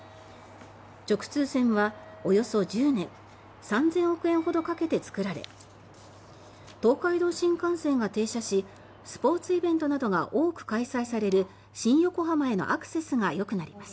直通線はおよそ１０年３０００億円ほどかけて作られ東海道新幹線が停車しスポーツイベントなどが多く開催される新横浜へのアクセスがよくなります。